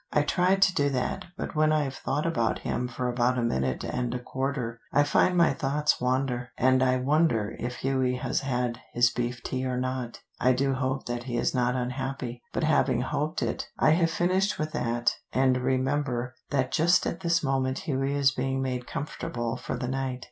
I try to do that, but when I've thought about him for about a minute and a quarter, I find my thoughts wander, and I wonder if Hughie has had his beef tea or not. I do hope that he is not unhappy, but having hoped it, I have finished with that, and remember that just at this moment Hughie is being made comfortable for the night.